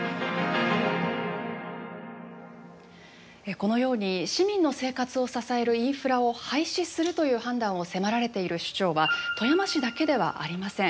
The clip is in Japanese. このように市民の生活を支えるインフラを廃止するという判断を迫られている首長は富山市だけではありません。